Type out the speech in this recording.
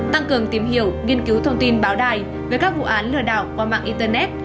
tăng cường tìm hiểu nghiên cứu thông tin báo đài về các vụ án lừa đảo qua mạng internet